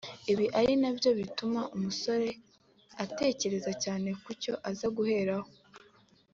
ibi ari na byo bituma umusore atekereza cyane ku cyo aza guheraho